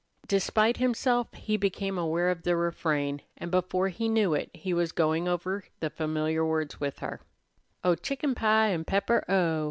Despite himself, he became aware of the refrain, and before he knew it he was going over the familiar words with her: "Oh, chicken pie an 'pepper, oh!